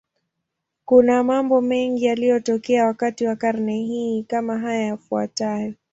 Kuna mambo mengi yaliyotokea wakati wa karne hii, kama haya yafuatayo.